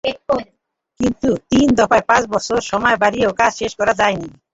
কিন্তু তিন দফায় পাঁচ বছর সময় বাড়িয়েও কাজ শেষ করা যায়নি।